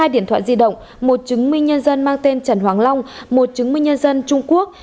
hai điện thoại di động một chứng minh nhân dân mang tên trần hoàng long một chứng minh nhân dân trung quốc